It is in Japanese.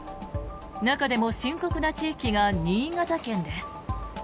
中でも深刻な地域が新潟県です。